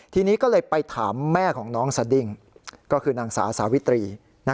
ทีนี้ก็เลยไปถามแม่ของน้องสดิ้งก็คือนางสาวสาวิตรี